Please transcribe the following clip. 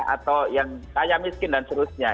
atau yang kaya miskin dan seterusnya